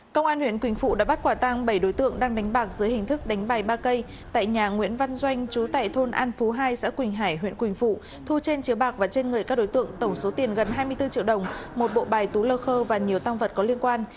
công an huyện quỳnh phụ đã bắt quả tăng bảy đối tượng đang đánh bạc dưới hình thức đánh bài ba cây tại nhà nguyễn văn doanh chú tại thôn an phú hai xã quỳnh hải huyện quỳnh phụ thu trên chiếu bạc và trên người các đối tượng tổng số tiền gần hai mươi bốn triệu đồng một bộ bài tú lơ khơ và nhiều tăng vật có liên quan